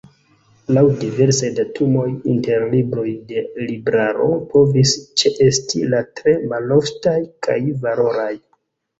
Laŭ diversaj datumoj, inter libroj de Libraro povis ĉeesti la tre maloftaj kaj valoraj.